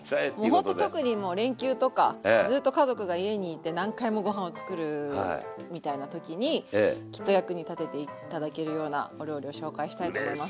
もうほんと特に連休とかずっと家族が家に居て何回もご飯を作るみたいな時にきっと役に立てて頂けるようなお料理を紹介したいと思います。